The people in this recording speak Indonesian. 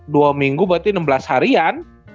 dua minggu berarti enam belas harian